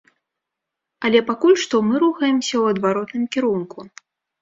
Але пакуль што мы рухаемся ў адваротным кірунку.